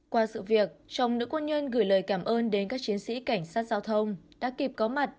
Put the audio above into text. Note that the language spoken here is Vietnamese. qua sự việc chồng nữ quân nhân gửi lời cảm ơn đến các chiến sĩ cảnh sát giao thông đã kịp có mặt